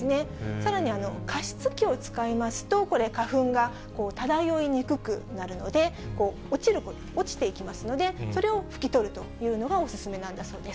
さらに、加湿器を使いますと、これ、花粉が漂いにくくなるので、落ちる、落ちていきますので、それを拭き取るというのがお勧めなんだそうです。